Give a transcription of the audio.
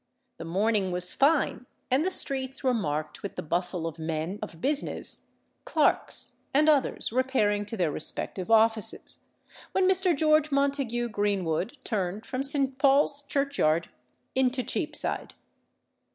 The morning was fine, and the streets were marked with the bustle of men of business, clerks, and others repairing to their respective offices, when Mr. George Montague Greenwood turned from Saint Paul's Churchyard into Cheapside.